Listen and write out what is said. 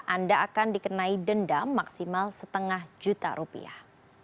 anda akan dikenai dendam maksimal setengah juta rupiah